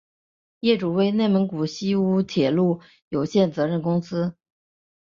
业主为内蒙古锡乌铁路有限责任公司。